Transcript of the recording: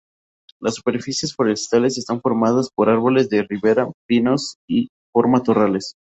Las superficies forestales están formadas por árboles de ribera, pinos y por matorrales.